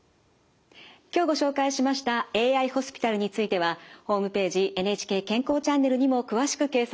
今日ご紹介しましたＡＩホスピタルについてはホームページ「ＮＨＫ健康チャンネル」にも詳しく掲載されています。